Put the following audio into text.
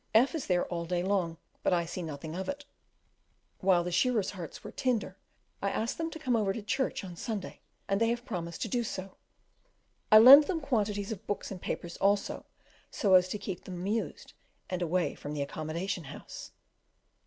F is there all day long, but I see nothing of it. While the shearers' hearts were tender, I asked them to come over to church on Sunday, and they have promised to do so: I lend them quantities of books and papers also, so as to keep them amused and away from the accommodation house.